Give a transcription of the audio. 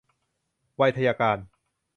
ไวทยการ